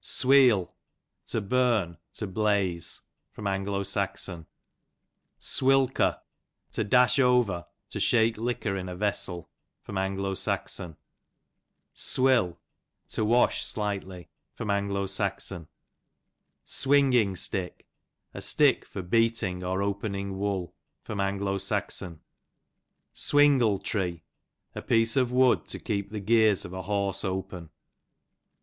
Sweal, to burn, to blaze. A. S. Swilker, to dash over, to shake liquor in a vessel. A. S. Swill, to wash slightly: A. S. Swinging Stick, a sticK for beat ing or opening wool. A. .S Swingle tree, a piece of wood to keep the gears of a horse open.